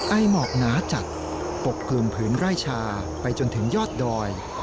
ไอหมอกหนาจัดปกคลุมผืนไร่ชาไปจนถึงยอดดอย